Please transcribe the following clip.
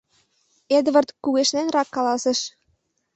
— Эдвард кугешненрак каласыш.